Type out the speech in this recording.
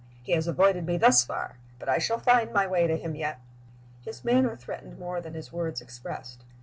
He has avoided me thus far, but I shall find my way to him yet." His manner threatened more than his words expressed.